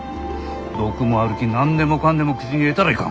毒もあるき何でもかんでも口に入れたらいかん。